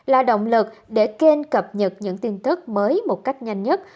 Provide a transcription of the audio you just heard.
là động lực để kênh cập nhật những tin tức mới một cách nhanh nhất